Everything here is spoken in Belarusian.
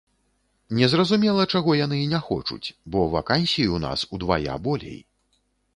Незразумела, чаго яны не хочуць, бо вакансій у нас удвая болей.